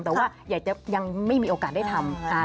แต่ว่ายังไม่มีโอกาสได้ทำ